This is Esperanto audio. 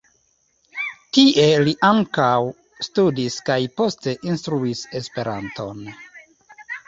Tie li ankaŭ studis kaj poste instruis Esperanton.